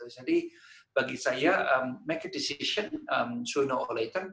jadi bagi saya make a decision soon or later